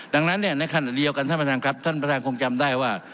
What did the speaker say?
ดังนั้นเนี่ยในขณะเดียวกันท่านประธานครับท่านประธานคงจำได้ว่า